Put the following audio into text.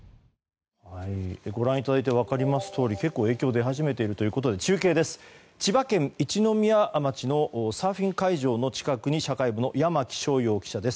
ご覧いただいて分かりますとおり影響が出始めているということで千葉県一宮町のサーフィン会場の近くに社会部の山木翔遥記者です。